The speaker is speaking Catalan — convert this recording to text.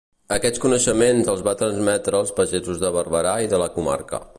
Aquests coneixements els va transmetre als pagesos de Barberà i de la comarca.